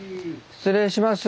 失礼します。